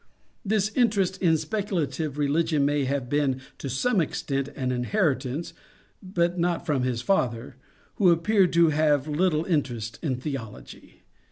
This interest in specula tive religion may have been to some extent an inheritance, but not from his father, who appeared to have little interest in theology.